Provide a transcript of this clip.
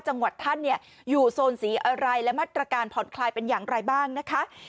จังหวัดท่านเนี่ยอยู่โซนสีอะไรและมาตรการผ่อนคลายเป็นอย่างไรบ้างนะคะ